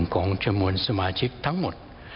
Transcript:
ของจำนวนสมาชิกทั้งหมด